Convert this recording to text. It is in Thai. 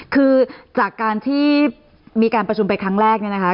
คือจากการที่มีการประชุมไปครั้งแรกเนี่ยนะคะ